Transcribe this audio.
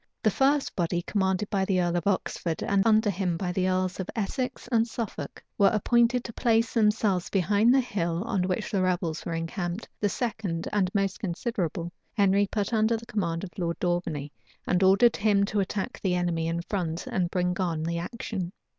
The first body, commanded by the earl of Oxford, and under him by the earls of Essex and Suffolk, were appointed to place themselves behind the hill on which the rebels were encamped: the second, and most considerable, Henry put under the command of Lord Daubeney, and ordered him to attack the enemy in front, and bring on the action.